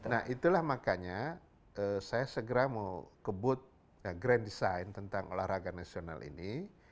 nah itulah makanya saya segera mau kebut grand design tentang olahraga nasional ini